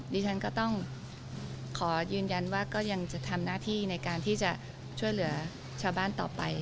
ดิฉันก็ต้องขอยืนยันว่าก็ยังจะทำหน้าที่ในการที่จะช่วยเหลือชาวบ้านต่อไป